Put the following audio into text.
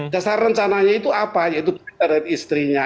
dasar rencananya itu apa yaitu kerja dari istrinya